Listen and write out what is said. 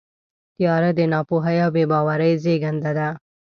تیاره د ناپوهۍ او بېباورۍ زېږنده ده.